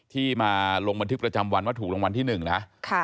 ที่มาลงบันทึกประจำวันว่าถูกรางวัลที่๑นะ